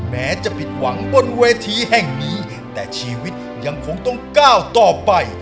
แม้จะผิดหวังบนเวทีแห่งนี้แต่ชีวิตยังคงต้องก้าวต่อไป